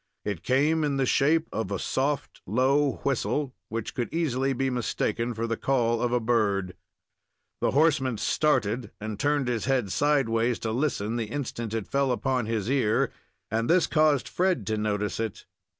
It came in the shape of a soft low whistle, which could easily be mistaken for the call of a bird. The horseman started and turned his head sidewise to listen the instant it fell upon his ear, and this caused Fred to notice it.